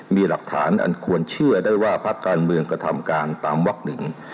มีหลักฐานอันควรเชื่อได้ว่าพักการเมืองกระทำการตามวักหนึ่ง